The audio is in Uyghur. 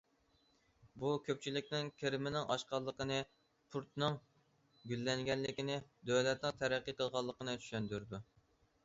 بۇ كۆپچىلىكنىڭ كىرىمىنىڭ ئاشقانلىقىنى، پورتنىڭ گۈللەنگەنلىكىنى، دۆلەتنىڭ تەرەققىي قىلغانلىقىنى چۈشەندۈرىدۇ.